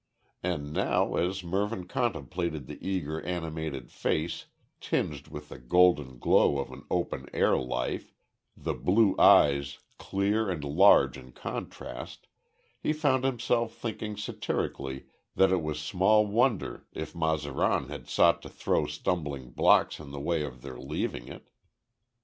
And now, as Mervyn contemplated the eager animated face, tinged with the golden glow of an open air life, the blue eyes clear and large in contrast, he found himself thinking satirically that it was small wonder if Mazaran had sought to throw stumbling blocks in the way of their leaving it.